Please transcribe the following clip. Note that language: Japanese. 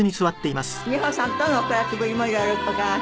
美穂さんとのお暮らしぶりも色々伺わせて頂きます。